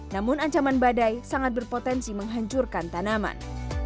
namun ancaman badai sangat berpotensi menghancurkan tanaman